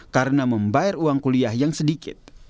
karena membayar uang kuliah yang sedikit